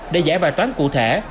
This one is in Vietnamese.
để giải bài toán cụ thể